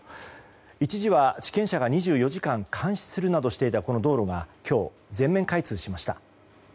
一時は、地権者が２４時間監視するなどしていたこの道路が今日、全面開通しました。